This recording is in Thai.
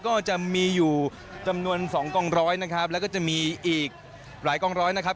ก็จะมีอยู่จำนวนสองกองร้อยนะครับแล้วก็จะมีอีกหลายกองร้อยนะครับ